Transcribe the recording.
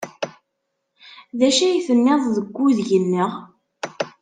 D acu ay tenniḍ deg udeg-nneɣ?